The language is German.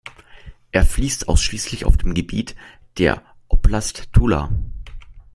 Er fließt ausschließlich auf dem Gebiet der Oblast Tula.